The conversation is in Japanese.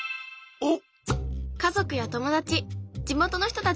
おっ！